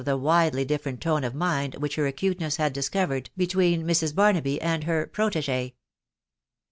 the widely different tone wf anind which her aouteness had discovered between Mrs. Bar naby and her protegSe.